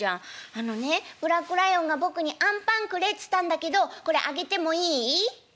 「あのねブラックライオンが僕に『あんパンくれ』っつったんだけどこれあげてもいい？」。